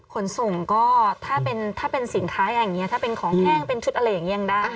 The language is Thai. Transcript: ขนส่งก็ถ้าเป็นสินค้าอย่างนี้ถ้าเป็นของแห้งเป็นชุดอะไรอย่างนี้ยังได้